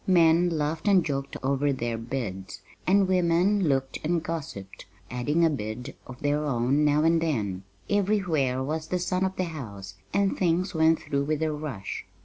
Men laughed and joked over their bids, and women looked on and gossiped, adding a bid of their own now and then. Everywhere was the son of the house, and things went through with a rush.